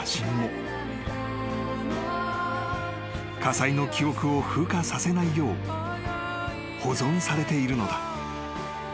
［火災の記憶を風化させないよう保存されているのだ］